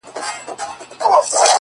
د جهنم منځ کي د اوسپني زنځیر ویده دی،